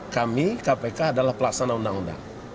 kami kpk adalah pelaksana undang undang